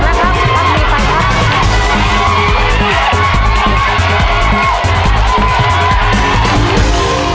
พร้อมแล้วครับครับมีฟังครับ